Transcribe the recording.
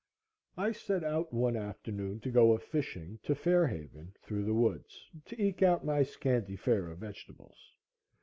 I set out one afternoon to go a fishing to Fair Haven, through the woods, to eke out my scanty fare of vegetables.